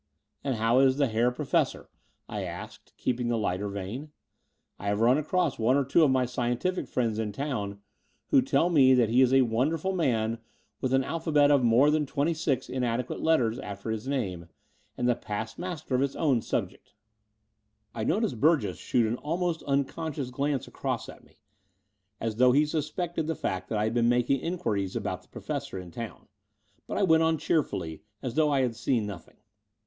"And how is the Herr Professor?" I asked I30 The DocM* of the Unreal kee[nng the lighter veih. ''I have run across one or two of my scientific friends in town, who tell me that he is a wonderful man with an alphabet of more than twenty six inadequate letters after his name and the past master of his own subject.'* I noticed Burgess shoot an almost unconscious glance across at me, as though he suspected the fact that I had been making inquiries about the Professor in town; but I went on cheerfully, as though I had seen nothing.